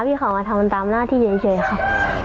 พี่เขามันกาหนมันจะทำตามหน้าที่เจ๋ยครับ